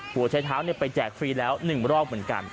หัวใช้เท้าไปแจกฟรีแล้ว๑รอบเหมือนกัน